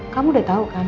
kamu udah tau kan